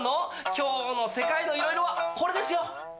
今日のせかいのいろいろはこれですよ。